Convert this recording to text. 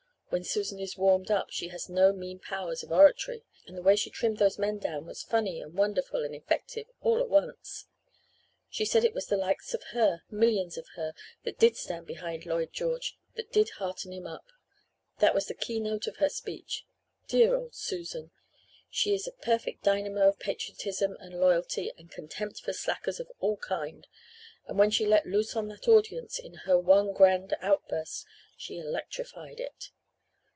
When Susan is warmed up she has no mean powers of oratory, and the way she trimmed those men down was funny and wonderful and effective all at once. She said it was the likes of her, millions of her, that did stand behind Lloyd George, and did hearten him up. That was the key note of her speech. Dear old Susan! She is a perfect dynamo of patriotism and loyalty and contempt for slackers of all kinds, and when she let it loose on that audience in her one grand outburst she electrified it.